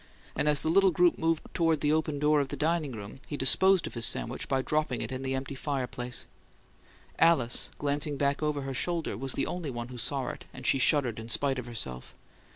And as the little group moved toward the open door of the dining room he disposed of his sandwich by dropping it in the empty fireplace. Alice, glancing back over her shoulder, was the only one who saw him, and she shuddered in spite of herself.